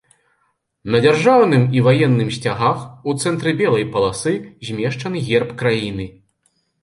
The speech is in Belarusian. На дзяржаўным і ваенным сцягах у цэнтры белай паласы змешчаны герб краіны.